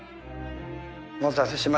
お待たせしました。